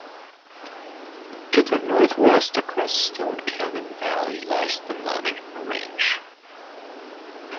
To the northwest across Stone Cabin Valley lies the Monitor Range.